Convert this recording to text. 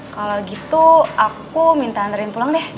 kalau gitu aku minta antarin pulang deh